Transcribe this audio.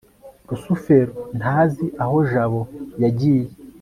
rusufero ntazi aho jabo yagiye